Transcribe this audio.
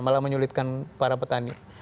malah menyulitkan para petani